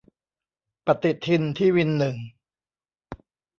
ปฏิทินที่วินหนึ่ง